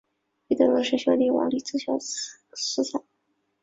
一对孪生兄弟王利就自小失散。